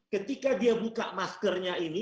ketika dia buka maskernya ini